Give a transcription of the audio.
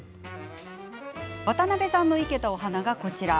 渡辺さんの生けたお花がこちら。